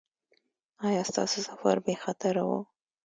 ایا ستاسو سفر بې خطره و؟